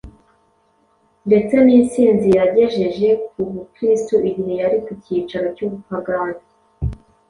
ndetse n’insinzi yagejeje ku Bukristo igihe yari ku cyicaro cy’ubupagani.